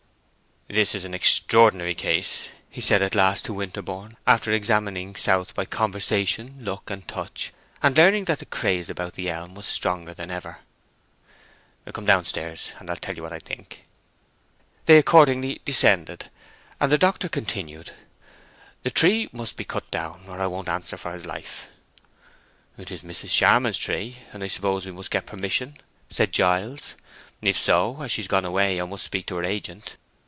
"This is an extraordinary case," he said at last to Winterborne, after examining South by conversation, look, and touch, and learning that the craze about the elm was stronger than ever. "Come down stairs, and I'll tell you what I think." They accordingly descended, and the doctor continued, "The tree must be cut down, or I won't answer for his life." "'Tis Mrs. Charmond's tree, and I suppose we must get permission?" said Giles. "If so, as she is gone away, I must speak to her agent."